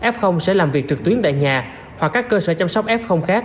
f sẽ làm việc trực tuyến tại nhà hoặc các cơ sở chăm sóc f khác